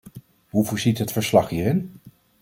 Hoe voorziet het verslag hierin?